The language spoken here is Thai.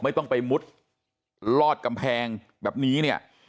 ไม่ต้องไปมุดลอดกำแพงแบบนี้เนี่ย